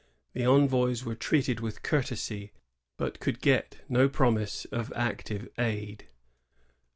The envoys were treated with courtesy, but could get no promise of active aid.'